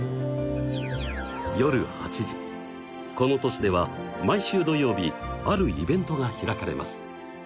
夜８時この都市では毎週土曜日あるイベントが開かれます。